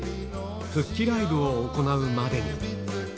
復帰ライブを行うまでに。